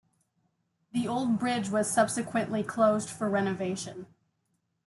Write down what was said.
The old bridge was subsequently closed for renovation.